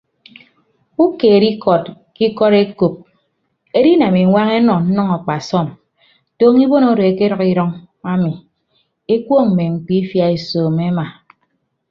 Ukeed ikọd ke ikọd ekop edinam iñwañ enọ nnʌñ akpasọm tọọñọ ibon odo ekedʌk idʌñ ami ekuọñ mme mkpiifia esoomo ema.